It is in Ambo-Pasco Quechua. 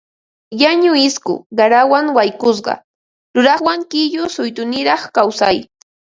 Llañu isku qarawan wankusqa yuraqwan qillu suytuniraq kawsay